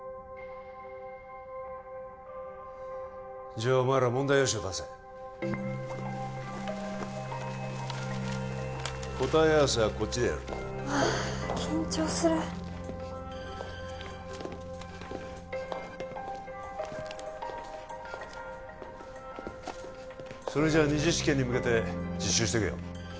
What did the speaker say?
じゃお前ら問題用紙を出せ答え合わせはこっちでやるわ緊張するそれじゃ二次試験に向けて自習しとけよ